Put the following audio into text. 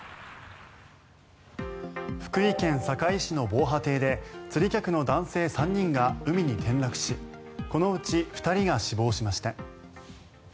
福井県坂井市の防波堤で釣り客の男性３人が海に転落しこのうち２人が死亡しました。